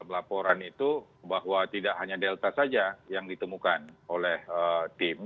laporan itu bahwa tidak hanya delta saja yang ditemukan oleh tim